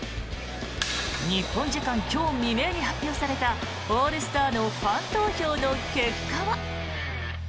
日本時間今日未明に発表されたオールスターのファン投票の結果は。